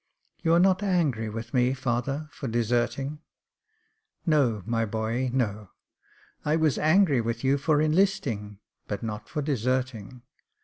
" You are not angry with me, father, for deserting ?"" No, my boy, no. I was angry with you for 'listing, but not for deserting.